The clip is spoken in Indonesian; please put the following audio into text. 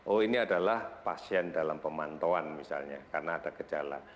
oh ini adalah pasien dalam pemantauan misalnya karena ada gejala